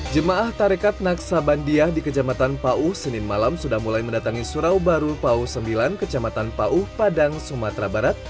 jemaah tarekat naksabandiah di kecamatan pauh senin malam sudah mulai mendatangi surau baru pau sembilan kecamatan pauh padang sumatera barat